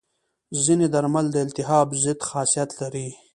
ځینې درمل د التهاب ضد خاصیت لري.